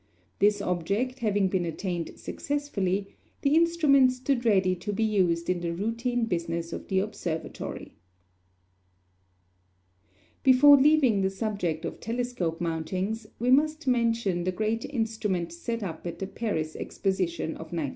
This object having been attained successfully, the instrument stood ready to be used in the routine business of the observatory. Before leaving the subject of telescope mountings, we must mention the giant instrument set up at the Paris Exposition of 1900.